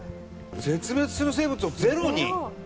絶滅する生物をゼロに？